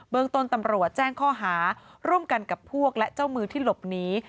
เมืองต้นตำรวจแจ้งข้อหาร่วมกันกับพวกและเจ้ามือที่หลบหนี